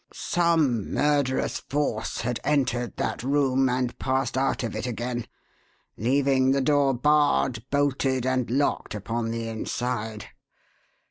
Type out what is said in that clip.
Some murderous force had entered that room, and passed out of it again, leaving the door barred, bolted, and locked upon the inside.